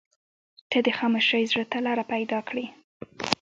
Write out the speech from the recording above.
• ته د خاموشۍ زړه ته لاره پیدا کړې.